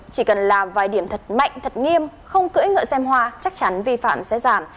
chỉ cần làm vài điểm thật mạnh thật nghiêm không cưỡi ngựa xem hoa chắc chắn vi phạm sẽ giảm